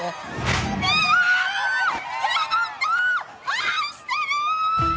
愛してるぅ！